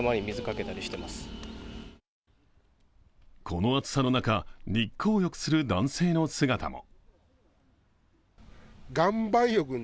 この暑さの中、日光浴する男性の姿も。